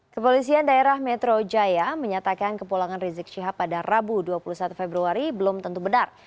kepolisian daerah metro jaya menyatakan kepulangan rizik syihab pada rabu dua puluh satu februari belum tentu benar